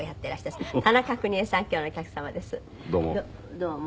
どうも。